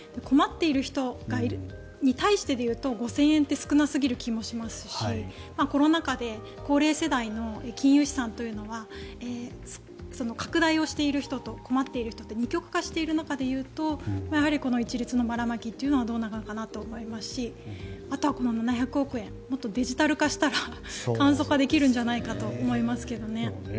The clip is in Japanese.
困っている人に対してでいうと５０００円って少なすぎる気もしますしコロナ禍で高齢世代の金融資産というのは拡大をしている人と困っている人で二極化している中でいうと一律のばらまきというのはどうなのかなと思いますしあとは７００億円もっとデジタル化したら簡素化できるんじゃないかと思いますけどね。